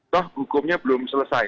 toh hukumnya belum selesai